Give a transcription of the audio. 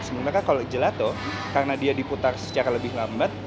sementara kalau gelato karena dia diputar secara lebih lambat